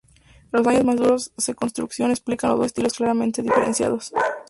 Los años que duró su construcción explican los dos estilos claramente diferenciados.